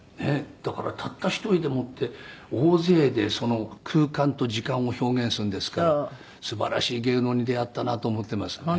だからたった一人でもって大勢で空間と時間を表現するんですからすばらしい芸能に出会ったなと思っていますね」